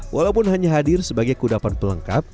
walaupun hanya hadir sebagai kudapan pelengkap